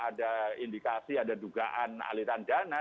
ada indikasi ada dugaan aliran dana